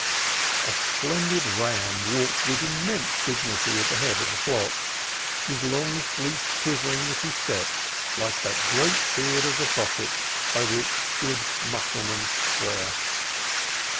A splendid ram walked with immense dignity at the head of the flock, his long fleece quivering as he stepped, like that great beard of the Prophet by which good Mussulmans swear.